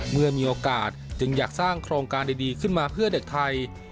เมื่อมีโอกาสจึงอยากสร้างโครงการดีขึ้นมาเพื่อเด็กไทย